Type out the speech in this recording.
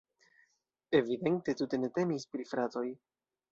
Evidente tute ne temis pri fratoj.